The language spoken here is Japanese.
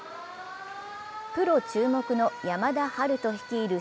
プロ注目の山田陽翔率いる